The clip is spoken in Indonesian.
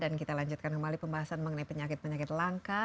dan kita lanjutkan kembali pembahasan mengenai penyakit penyakit langka